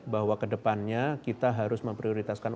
bahwa kedepannya kita harus memprioritaskan